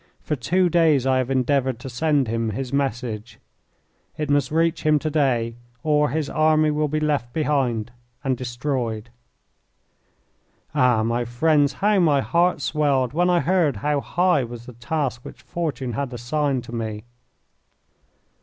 For two days I have endeavoured to send him his message. It must reach him to day, or his army will be left behind and destroyed." Ah, my friends, how my heart swelled when I heard how high was the task which Fortune had assigned to me!